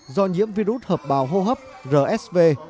do nhiễm virus hợp bào hô hấp rsv